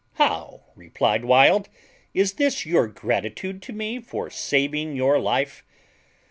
"How!" replied Wild, "is this your gratitude to me for saving your life?